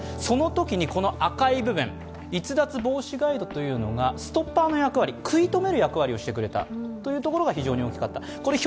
そのときに赤い部分、逸脱防止ガイドというのがストッパーの役割、食い止める役割をしてくれたところが大きかった。